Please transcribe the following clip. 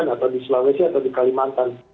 atau di sulawesi atau di kalimantan